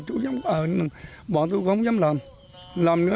cùng với tỏi lý sơn